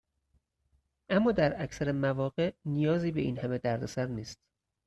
اما در اکثر مواقع نیازی به این همه دردسر نیست.